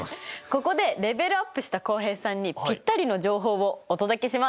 ここでレベルアップした浩平さんにぴったりの情報をお届けします。